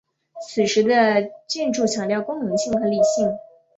此时的建筑强调功能性和理性。